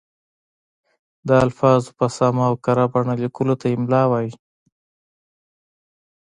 د الفاظو په سمه او کره بڼه لیکلو ته املاء وايي.